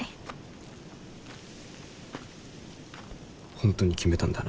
本当に決めたんだな。